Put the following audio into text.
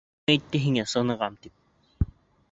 — Кем әйтте һиңә сынығам тип?